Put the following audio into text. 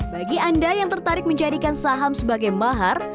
bagi anda yang tertarik menjadikan saham sebagai mahar